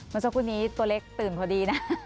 เมื่อสักครู่นี้ตัวเล็กตื่นพอดีนะ